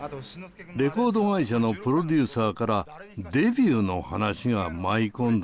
レコード会社のプロデューサーからデビューの話が舞い込んだのだ。